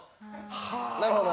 なるほど。